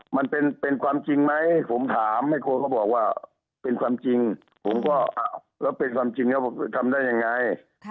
มันเป็นความจริงไหมผมถามแม่ครัวเขาบอกว่าเป็นความจริงผมก็แล้วเป็นความจริงแล้วผมทำได้ยังไง